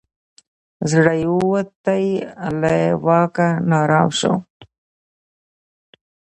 زړه یې ووتی له واکه نا آرام سو